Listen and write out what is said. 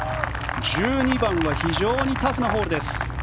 １２番は非常にタフなホールです。